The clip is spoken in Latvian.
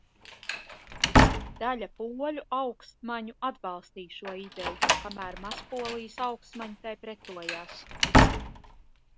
Daļa poļu augstmaņu atbalstīja šo ideju, kamēr Mazpolijas augstmaņi tai pretojās.